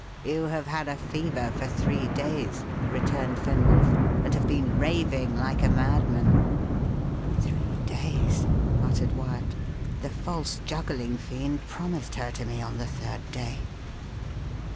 "You have had a fever for three days," returned Fenwolf, "and have been raving like a madman." "Three days!" muttered Wyat. "The false juggling fiend promised her to me on the third day."